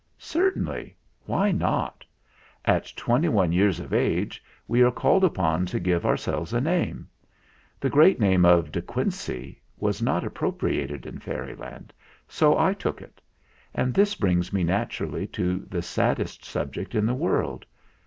"Certainly. Why not? At twenty one years of age we are called upon to give our selves a name. The great name of 'De Quincey' was not appropriated in Fairyland, DE QUINCEY 97 so I took it. And this brings me naturally to the saddest subject in the world.